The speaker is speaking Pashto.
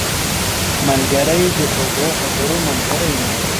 ملګری د خوږو خبرو ملګری وي